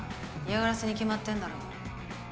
嫌がらせに決まってんだろ。